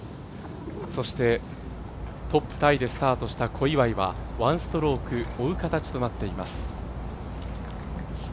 そしてトップタイでスタートした小祝は１ストローク追う形となっています。